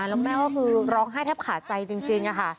แล้วแม่ก็คือร้องไห้แทบขาดใจจริงค่ะ